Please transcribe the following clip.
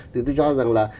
thì tôi cho rằng là